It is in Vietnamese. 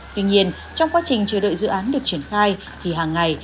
tuy nhiên trong quá trình chờ đợi dự án được triển khai thì hàng ngày